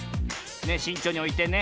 しんちょうにおいてね。